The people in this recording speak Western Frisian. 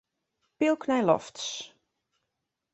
Pylk nei lofts.